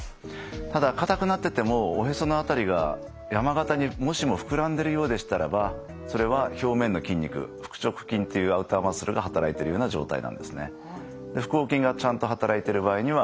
ただ硬くなっててもおへその辺りが山形にもしも膨らんでるようでしたらばそれは表面の筋肉腹直筋っていうアウターマッスルが働いてるような状態なんですね。